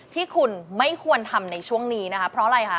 ที่คุณไม่ควรทำในช่วงนี้นะคะเพราะอะไรคะ